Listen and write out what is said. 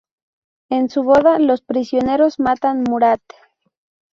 En su boda, los prisioneros matan Murat.